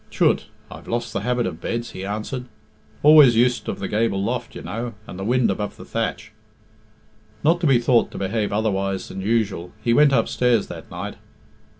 "Chut! I've lost the habit of beds," he answered. "Always used of the gable loft, you know, and the wind above the thatch." Not to be thought to behave otherwise than usual, he went upstairs that night.